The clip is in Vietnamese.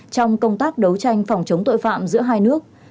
trong công tác đấu tranh phòng chống tội phạm giữa hai nước